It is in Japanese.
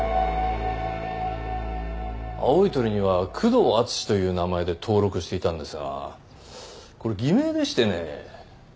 青い鳥には久遠淳史という名前で登録していたんですがこれ偽名でしてね。